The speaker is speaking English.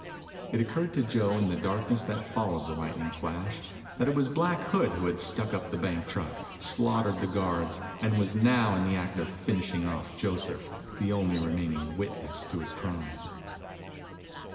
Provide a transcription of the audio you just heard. It occurred to Joe in the darkness that followed the lightning flash, that it was Black Hood who had stuck up the bank truck, slaughtered the guards, and was just now in the act of finishing off Joseph, the only remaining witness to his crime.